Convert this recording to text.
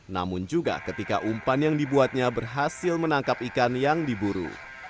namun juga ketika umpan yang dibuatnya berhasil menangkap ikan yang diburu